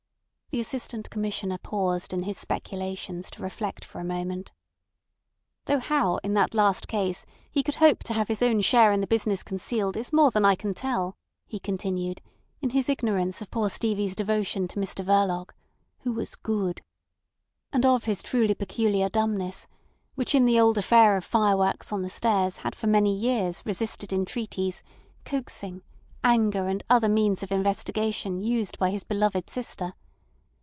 The Assistant Commissioner paused in his speculations to reflect for a moment. "Though how, in that last case, he could hope to have his own share in the business concealed is more than I can tell," he continued, in his ignorance of poor Stevie's devotion to Mr Verloc (who was good), and of his truly peculiar dumbness, which in the old affair of fireworks on the stairs had for many years resisted entreaties, coaxing, anger, and other means of investigation used by his beloved sister.